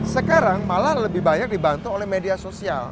sekarang malah lebih banyak dibantu oleh media sosial